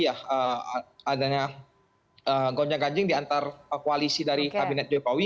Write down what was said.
tadi adanya gonjang gaji di antara koalisi dari kabinet jokowi